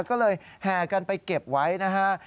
ก็เลยแห่กันไปเก็บไว้นะฮะ